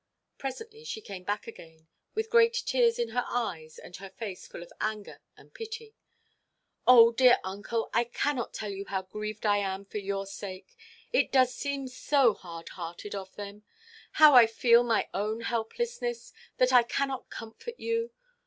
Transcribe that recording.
Presently she came back again, with great tears in her eyes, and her face full of anger and pity. "Oh, uncle dear, I cannot tell you how grieved I am for your sake. It does seem so hard–hearted of them. How I feel my own helplessness that I cannot comfort you!